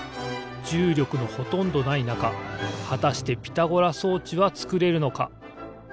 じゅうりょくのほとんどないなかはたしてピタゴラ装置はつくれるのか？